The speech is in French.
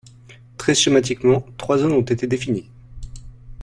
Très schématiquement, trois zones ont été définies.